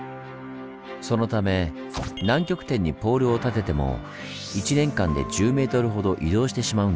そのため南極点にポールを立てても１年間で１０ｍほど移動してしまうんです。